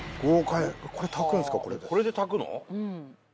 これで炊くの？